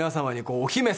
「お姫様」